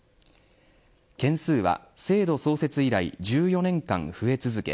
件数は制度創設以来１４年間増え続け